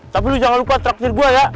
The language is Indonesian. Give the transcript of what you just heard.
tapi lo jangan lupa traksir gue ya